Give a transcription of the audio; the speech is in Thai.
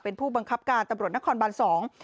เป็นผู้บังคับการตำรวจนครบานสอง